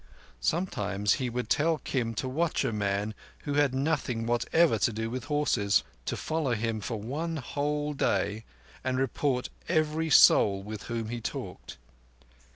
Sometimes he would tell Kim to watch a man who had nothing whatever to do with horses: to follow him for one whole day and report every soul with whom he talked.